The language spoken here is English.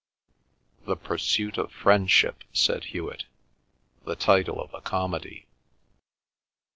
"The pursuit of Friendship," said Hewet. "The title of a comedy."